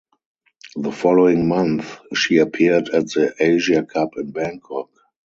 The following month she appeared at the Asia Cup in Bangkok.